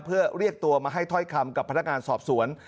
เพื่อเรียกตัวมาให้ถ้อยคำกับพนักงานสอบสวน